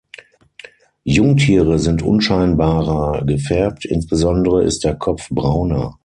Jungtiere sind unscheinbarer gefärbt, insbesondere ist der Kopf brauner.